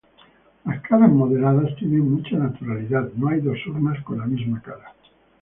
Las caras modeladas tienen mucha naturalidad, no hay dos urnas con la misma cara.